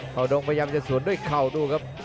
เขาดงพยายามจะสวนด้วยเข่าดูครับ